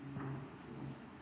ini yang dianggap satu jonasi